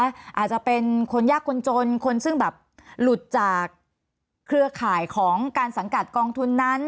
อาจจะเป็นคนยากคนจนคนซึ่งแบบหลุดจากเครือข่ายของการสังกัดกองทุนนั้น